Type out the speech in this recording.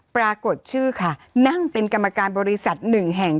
ปรากฏชื่อค่ะนั่งเป็นกรรมการบริษัทหนึ่งแห่ง